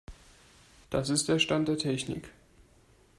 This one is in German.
Das ist der Stand der Technik.